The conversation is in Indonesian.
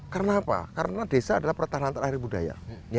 karena apa karena desa adalah pertahanan terakhir budaya